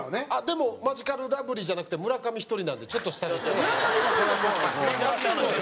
でもマヂカルラブリーじゃなくて村上１人なんでちょっと下ですね。